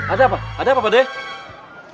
ada apa ada apa pak de